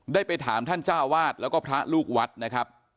ได้ไปถามท่านช่าวาสก็พระลูกวัดครับ